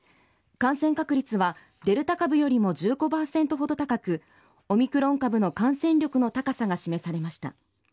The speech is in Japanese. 感染確率はデルタ株よりも１５％ほど高く、オミクロン株の感染力の高さが示されました。